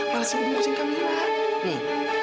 malah seru seruin kamu ya ma